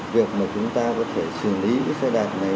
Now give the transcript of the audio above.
việc mà chúng ta có thể xử lý cái xe đạp này